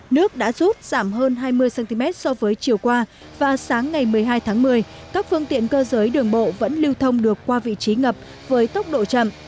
nước đã rút giảm hơn hai mươi cm so với chiều qua và sáng ngày một mươi hai tháng một mươi các phương tiện cơ giới đường bộ vẫn lưu thông được qua vị trí ngập với tốc độ chậm